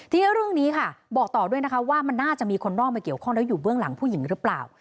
ทีนี้เรื่องนี้ค่ะบอกต่อด้วยนะคะว่ามันน่าจะมีคนนอกมาเกี่ยวข้องแล้วอยู่เบื้องหลังผู้หญิงหรือเปล่า